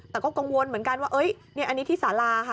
แต่ก็กังวลเหมือนกันว่าอันนี้ที่สาราค่ะ